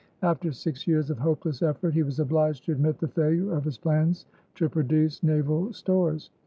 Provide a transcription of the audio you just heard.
After six years of hopeless effort, he was obliged to admit the failure of his plans to produce naval stores.